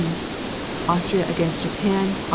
Austria against Japan, Aug.